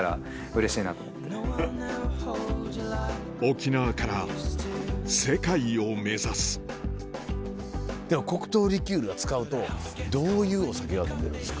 沖縄から世界を目指す黒糖リキュールを使うとどういうお酒が飲めるんですか？